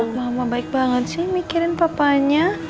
mama baik banget sih mikirin papanya